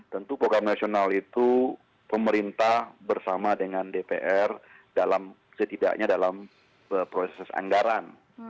tentu program nasional itu pemerintah bersama dengan dpr dalam setidaknya dalam proses anggaran